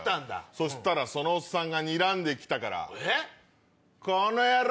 そしたらそのおっさんがにらんで来たからコノヤロ！